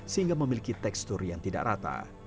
sehingga memiliki tekstur yang tidak rata